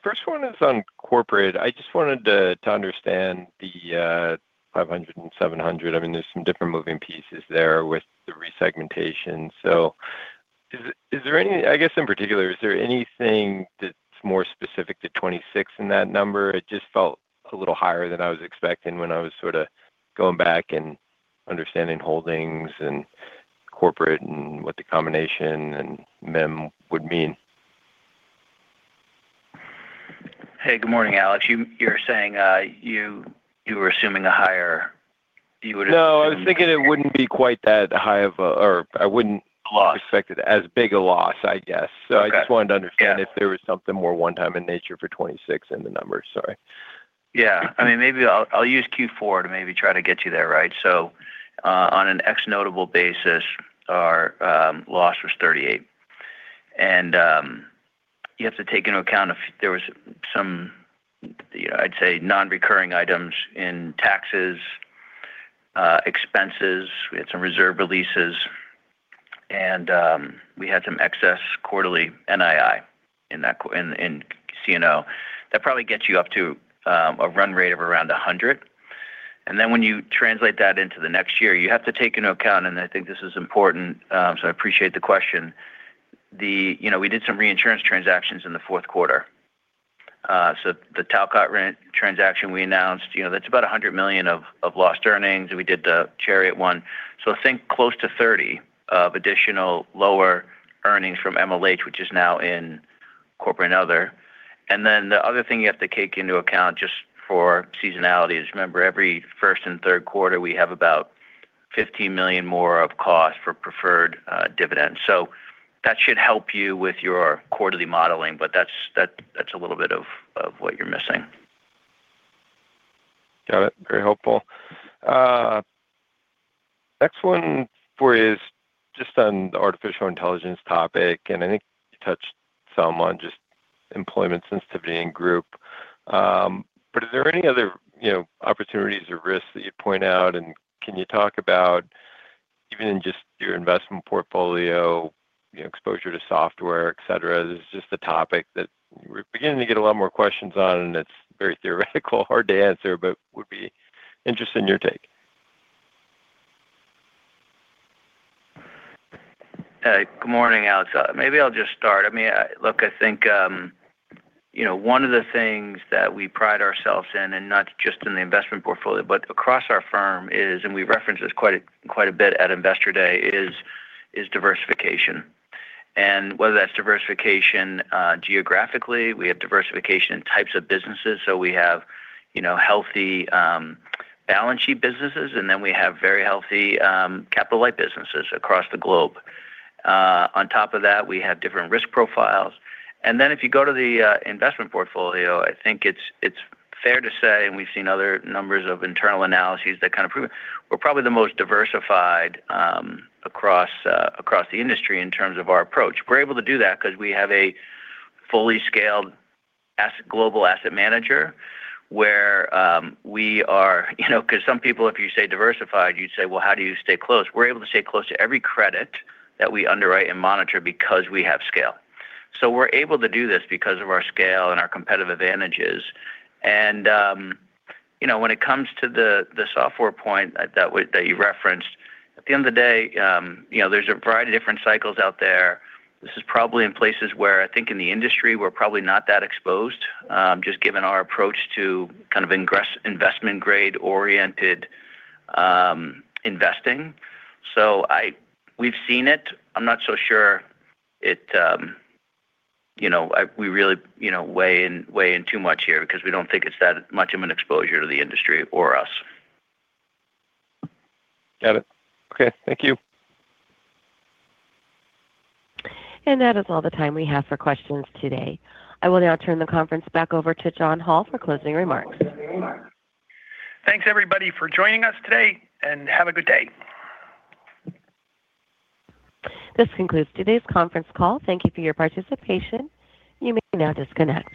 First one is on corporate. I just wanted to understand the 500 and 700. I mean, there's some different moving pieces there with the re-segmentation. So is there any—I guess in particular, is there anything that's more specific to 2026 in that number? It just felt a little higher than I was expecting when I was sort of going back and understanding holdings and corporate and what the combination and MIM would mean. Hey, good morning, Alex. You're saying you were assuming a higher, you would- No, I was thinking it wouldn't be quite that high of a, or I wouldn't- Loss. Expect it as big a loss, I guess. Okay. I just wanted to understand- Yeah. If there was something more one-time in nature for 26 in the numbers. Sorry. Yeah. I mean, maybe I'll, I'll use Q4 to maybe try to get you there, right? So, on an ex-notable basis, our loss was 38. And you have to take into account if there was some, I'd say, non-recurring items in taxes, expenses. We had some reserve releases, and we had some excess quarterly NII in that quarter in C&O. That probably gets you up to a run rate of around 100. And then when you translate that into the next year, you have to take into account, and I think this is important, so I appreciate the question. You know, we did some reinsurance transactions in the fourth quarter. So the Talcott Resolution transaction we announced, you know, that's about $100 million of lost earnings, and we did the Chariot Re one. So I think close to 30 of additional lower earnings from MLH, which is now in corporate and other. And then the other thing you have to take into account just for seasonality is, remember, every first and third quarter, we have about $15 million more of cost for preferred dividends. So that should help you with your quarterly modeling, but that's, that, that's a little bit of, of what you're missing. Got it. Very helpful. Next one for you is just on the artificial intelligence topic, and I think you touched some on just employment sensitivity and group. But is there any other, you know, opportunities or risks that you'd point out? And can you talk about even in just your investment portfolio, you know, exposure to software, et cetera? This is just a topic that we're beginning to get a lot more questions on, and it's very theoretical, hard to answer, but would be interested in your take. Good morning, Alex. Maybe I'll just start. I mean, look, I think, you know, one of the things that we pride ourselves in, and not just in the investment portfolio, but across our firm, is, and we reference this quite, quite a bit at Investor Day, is, is diversification. And whether that's diversification, geographically, we have diversification in types of businesses. So we have, you know, healthy, balance sheet businesses, and then we have very healthy, capital light businesses across the globe. On top of that, we have different risk profiles. And then if you go to the, investment portfolio, I think it's, it's fair to say, and we've seen other numbers of internal analyses that kind of prove it, we're probably the most diversified, across, across the industry in terms of our approach. We're able to do that because we have a fully scaled asset global asset manager, where. You know, 'cause some people, if you say diversified, you'd say, "Well, how do you stay close?" We're able to stay close to every credit that we underwrite and monitor because we have scale. So we're able to do this because of our scale and our competitive advantages. And, you know, when it comes to the software point that you referenced, at the end of the day, you know, there's a variety of different cycles out there. This is probably in places where I think in the industry, we're probably not that exposed, just given our approach to kind of investment grade-oriented investing. We've seen it. I'm not so sure it, you know, I, we really, you know, weigh in too much here because we don't think it's that much of an exposure to the industry or us. Got it. Okay, thank you. That is all the time we have for questions today. I will now turn the conference back over to John Hall for closing remarks. Thanks, everybody, for joining us today, and have a good day. This concludes today's conference call. Thank you for your participation. You may now disconnect.